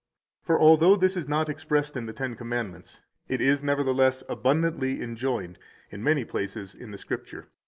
For although this is not expressed in the Ten Commandments, it is nevertheless abundantly enjoined in many places in the Scripture.